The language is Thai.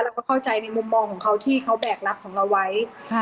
เราก็เข้าใจในมุมมองของเขาที่เขาแบกรับของเราไว้ค่ะ